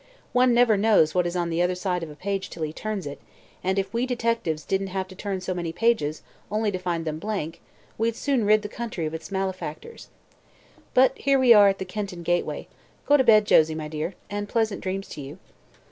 One never knows what is on the other side of a page till he turns it, and if we detectives didn't have to turn so many pages, only to find them blank, we'd soon rid the country of its malefactors. But here we are at the Kenton gateway. Go to bed, Josie dear, and pleasant dreams to you."